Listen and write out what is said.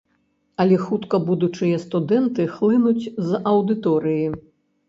Але хутка будучыя студэнты хлынуць з аўдыторыі.